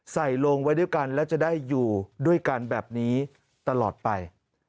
ใส่ลงไว้ด้วยกันและจะได้อยู่ด้วยกันแบบนี้ตลอดไป